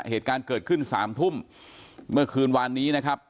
เหตุการณ์เกิดขึ้นสามทุ่มเมื่อคืนวานนี้นะครับ